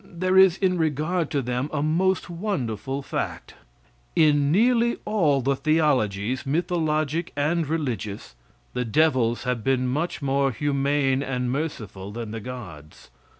There is in regard to them a most wonderful fact: In nearly all the theologies, mythologic and religious, the devils have been much more humane and merciful than the gods.